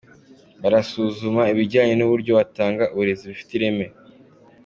Barasuzuma ibijyanye n’uburyo batanga uburezi bifite ireme.